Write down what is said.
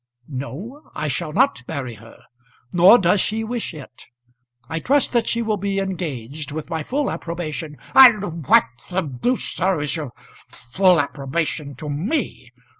"No; I shall not marry her. Nor does she wish it. I trust that she will be engaged, with my full approbation " "And what the deuce, sir, is your full approbation to me?